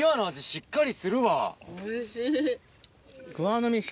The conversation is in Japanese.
・おいしい！